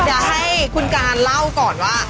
จะให้คุณการ์นเล่าก่อนว่า